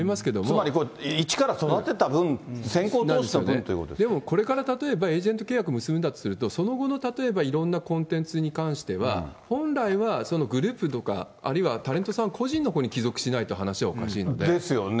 つまり、一から育てたぶん、でも、これから例えば、エージェント契約を結ぶんだとすると、その後のいろんなコンテンツに関しては、本来はグループとか、あるいはタレントさん個人のほうに帰属しないと話はおかしいので。ですよね。